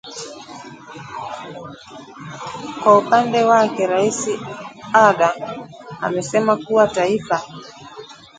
Kwa upande wake rais Ader amesema kuwa taifa